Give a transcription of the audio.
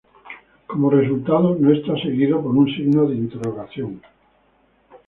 Como resultado, no está seguido por un signo de interrogación.